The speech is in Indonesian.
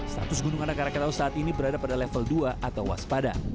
status gunung anak rakatau saat ini berada pada level dua atau waspada